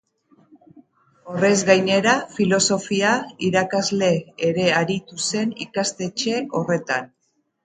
Horrez gainera, filosofia irakasle ere aritu zen ikastetxe horretan.